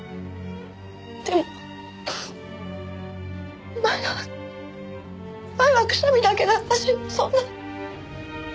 でも前は前はくしゃみだけだったしそんな。